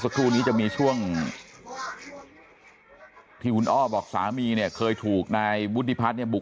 ต้นนี้จะมีช่วงที่คุณอ้อบอกสามีเนี่ยเคยถูกในวิธีพัฒน์บุก